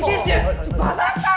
馬場さん！